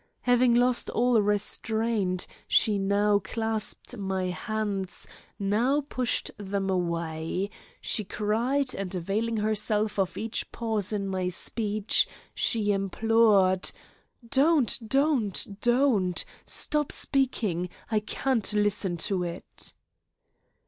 Having lost all restraint, she now clasped my hands, now pushed them away, she cried and availing herself of each pause in my speech, she implored: "Don't, don't, don't! Stop speaking! I can't listen to it!"